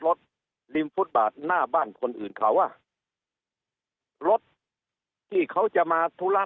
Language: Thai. ริมฟุตบาทหน้าบ้านคนอื่นเขาอ่ะรถที่เขาจะมาธุระ